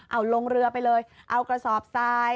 เอาลงเรือไปเลยเอากระสอบทราย